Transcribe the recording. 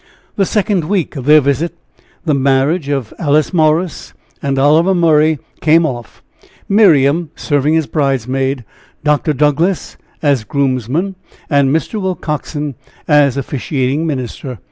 The second week of their visit, the marriage of Alice Morris and Oliver Murray came off, Miriam serving as bridesmaid, Dr. Douglass as groomsman, and Mr. Willcoxen as officiating minister.